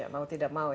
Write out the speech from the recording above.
mau tidak mau ya